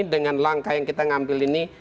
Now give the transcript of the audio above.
dengan langkah yang kita ngambil ini